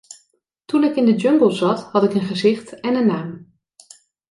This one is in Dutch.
Toen ik in de jungle zat, had ik een gezicht en een naam.